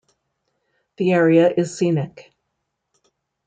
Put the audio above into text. The area is scenic.